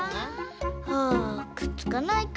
あくっつかないか。